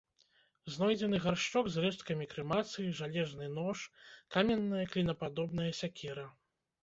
Знойдзены гаршчок з рэшткамі крэмацыі, жалезны нож, каменная клінападобная сякера.